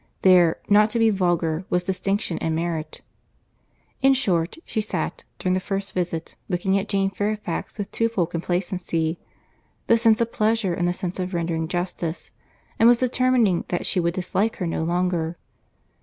There, not to be vulgar, was distinction, and merit. In short, she sat, during the first visit, looking at Jane Fairfax with twofold complacency; the sense of pleasure and the sense of rendering justice, and was determining that she would dislike her no longer.